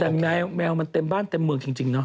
แต่แมวมันเต็มบ้านเต็มเมืองจริงเนาะ